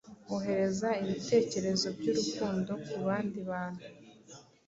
Ohereza ibitekerezo by’urukundo ku bandi bantu.